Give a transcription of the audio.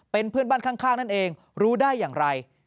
เป็นเพื่อนบ้านข้างนั่นเองรู้ได้อย่างไร